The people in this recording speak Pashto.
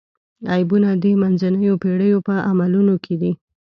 عیبونه د منځنیو پېړیو په عملونو کې دي.